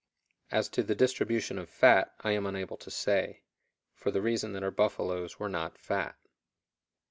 As to the distribution of fat I am unable to say, for the reason that our buffaloes were not fat.